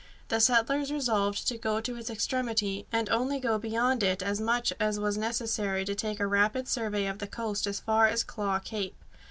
The settlers resolved to go to its extremity, and only go beyond it as much as was necessary to take a rapid survey of the coast as far as Claw Cape.